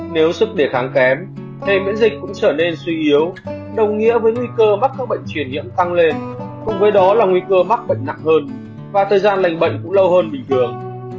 nếu sức đề kháng kém hệ miễn dịch cũng trở nên suy yếu đồng nghĩa với nguy cơ mắc các bệnh truyền nhiễm tăng lên cùng với đó là nguy cơ mắc bệnh nặng hơn và thời gian lành bệnh cũng lâu hơn bình thường